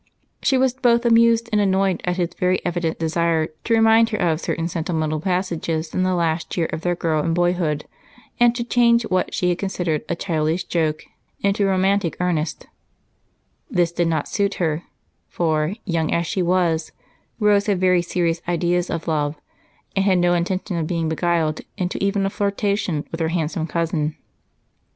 She was both amused and annoyed at his very evident desire to remind her of certain sentimental passages in the last year of their girl and boy hood, and to change what she had considered a childish joke into romantic earnest. Rose had very serious ideas of love and had no intention of being beguiled into even a flirtation with her handsome cousin.